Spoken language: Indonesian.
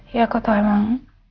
ya aku tahu emang